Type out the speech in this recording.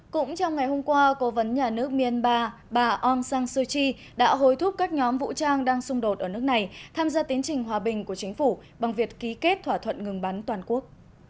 cũng trong ngày hôm qua cố vấn nhà nước myanmar bà aung san suu kyi đã hối thúc các nhóm vũ trang đang xung đột ở nước này tham gia tiến trình hòa bình của chính phủ bằng việc ký kết thỏa thuận ngừng bắn toàn quốc